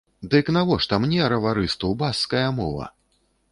Дык навошта мне, раварысту, баскская мова?